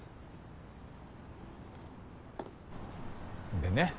でね